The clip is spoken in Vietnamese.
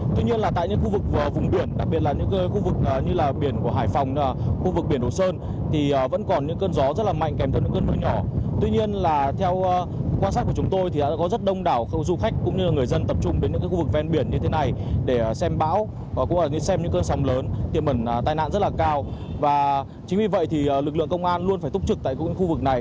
chính vì vậy lực lượng công an luôn phải túc trực tại các khu vực này